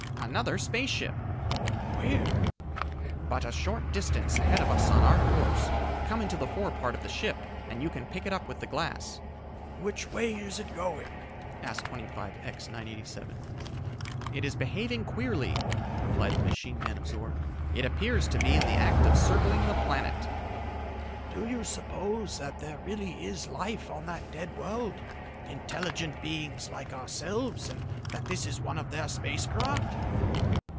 "Another space ship!" "Where?" "But a short distance ahead of us on our course. Come into the foreport of the ship and you can pick it up with the glass." "Which is the way it's going?" asked 25X 987. "It is behaving queerly," replied the machine man of Zor. "It appears to be in the act of circling the planet." "Do you suppose that there really is life on that dead world intelligent beings like ourselves, and that this is one of their space craft?"